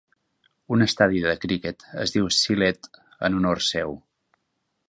Un estadi de criquet es diu Sylhet en honor seu.